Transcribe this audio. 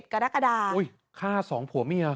๗กรกฎาอุ๊ยฆ่า๒ผัวเมียะ